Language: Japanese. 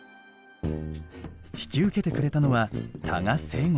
引き受けてくれたのは多賀盛剛さん。